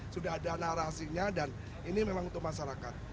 sudah ada narasinya dan ini memang untuk masyarakat